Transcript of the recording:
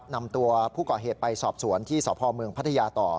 นำตัวผู้ก่อเหตุไปสอบสวนที่สพเมืองพัทยาต่อ